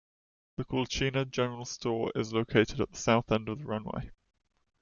The Quilchena General Store is located at the south end of the runway.